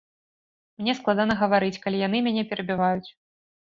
Мне складана гаварыць, калі яны мяне перабіваюць.